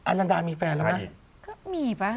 อันนดามีแฟนแล้วแหละ